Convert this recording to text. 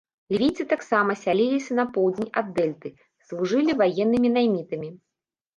Лівійцы таксама сяліліся на поўдзень ад дэльты, служылі ваеннымі наймітамі.